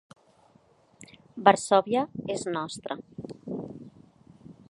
Varsòvia és nostra!